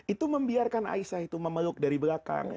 itu membiarkan aisyah itu memeluk dari belakang